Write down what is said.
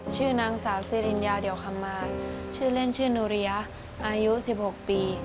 ชื่อนางสาวซีรินยาเดี๋ยวฆ่มาชื่อเล่นชื่อนุริยะอายุ๑๖ปี